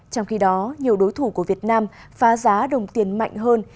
trong khi đó nhiều đối thủ của việt nam phá giá đồng tiền mạnh hơn